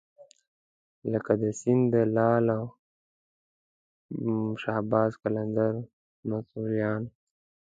لکه د سیند د لعل او شهباز قلندر متولیان.